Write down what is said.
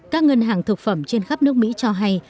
các ngân hàng thực phẩm trên khắp nước mỹ cho hay